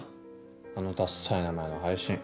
あのだっさい名前の配信。